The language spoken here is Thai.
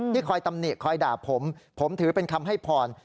คอยตำหนิคอยด่าผมผมถือเป็นคำให้พร